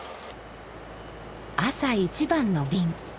朝一番の便。